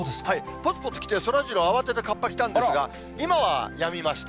ぽつぽつきて、そらジロー慌ててかっぱ着たんですが、今はやみました。